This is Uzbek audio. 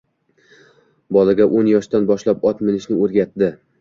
bolaga oʻn yoshdan boshlab ot minishni o'rgatdi